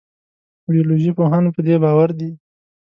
بیولوژي پوهان په دې باور دي.